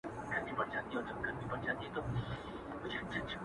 لیکوال: احمدشاه پاڅون